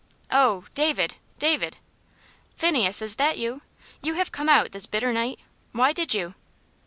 "Oh! David David!" "Phineas is that you? You have come out this bitter night why did you?"